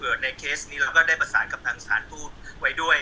เผื่อว่าในเคสนี้เราก็ได้ประสานกับทางศาลผู้ไว้ด้วย